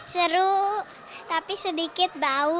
seru tapi sedikit bau